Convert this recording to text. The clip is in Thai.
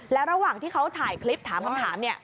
แล้วระหว่างที่เขาถ่ายคลิปถามคำถามเนี่ย